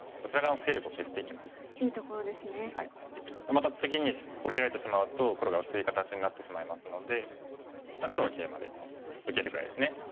また次に下りられてしまうと黒が薄い形になってしまいますので黒はケイマで受けるぐらいですね。